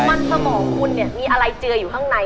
มันสมองคุณเนี่ยมีอะไรเจืออยู่ข้างใน